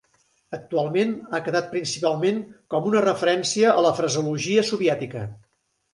Actualment ha quedat principalment com una referència a la fraseologia soviètica.